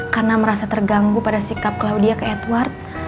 karena merasa terganggu pada sikap claudia ke edward